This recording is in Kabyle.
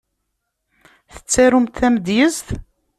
Tettarumt tamedyezt?